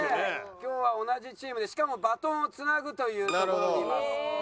今日は同じチームでしかもバトンをつなぐというところにいます。